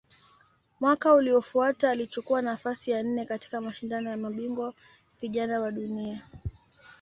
Mwaka uliofuata alichukua nafasi ya nne katika Mashindano ya Mabingwa Vijana wa Dunia.